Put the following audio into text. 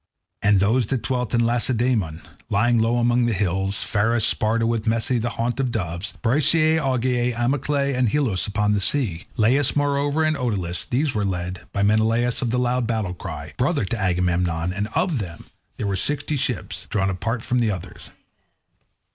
And those that dwelt in Lacedaemon, lying low among the hills, Pharis, Sparta, with Messe the haunt of doves; Bryseae, Augeae, Amyclae, and Helos upon the sea; Laas, moreover, and Oetylus; these were led by Menelaus of the loud battle cry, brother to Agamemnon, and of them there were sixty ships, drawn up apart from the others.